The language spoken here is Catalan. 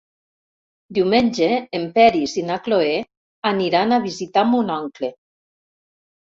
Diumenge en Peris i na Cloè aniran a visitar mon oncle.